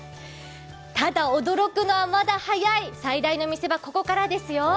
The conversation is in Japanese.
ただ驚くのはまだ早い、最大の見せ場はここからですよ。